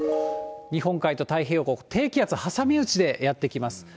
日本海と太平洋、低気圧挟み撃ちでやって来ます。